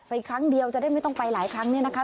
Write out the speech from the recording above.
ครั้งเดียวจะได้ไม่ต้องไปหลายครั้งเนี่ยนะคะ